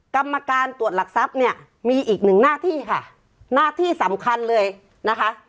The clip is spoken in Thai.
กรรมการตรวจหลักทรัพย์เนี่ยมีอีกหนึ่งหน้าที่ค่ะหน้าที่สำคัญเลยนะคะ